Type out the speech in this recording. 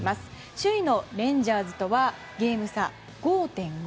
首位のレンジャーズとはゲーム差５．５。